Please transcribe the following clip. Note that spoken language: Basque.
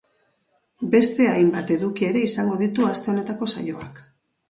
Beste hainbat eduki ere izango ditu aste honetako saioak.